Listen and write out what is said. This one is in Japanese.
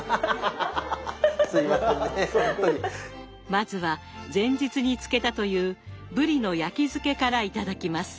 まずは前日に漬けたという「ぶりの焼き漬け」から頂きます。